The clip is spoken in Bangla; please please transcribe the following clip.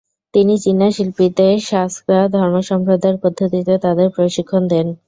তিনি চীনা শিল্পীদের সা-স্ক্যা ধর্মসম্প্রদায়ের পদ্ধতিতে তাদের প্রশিক্ষণ দেন।